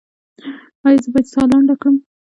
ایا زه باید ساه لنډه کړم؟